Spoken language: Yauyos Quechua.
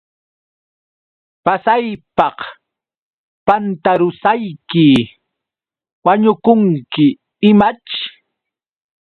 Pasaypaq pantarusayki, ¿wañukunki imaćh?